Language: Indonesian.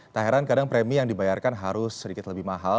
tak heran kadang premi yang dibayarkan harus sedikit lebih mahal